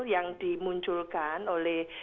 yang dimunculkan oleh